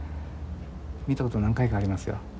見たこと何回かありますよ。